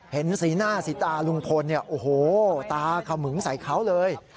เห็นสีหน้าสีตาลุงพลเนี่ยโอ้โหตาขมึงใส่เขาเลย